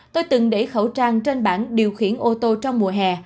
tôi từng để khẩu trang trên bản điều khiển ô tô trong mùa hè